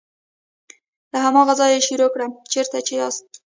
له هماغه ځایه یې شروع کړه چیرته چې یاست.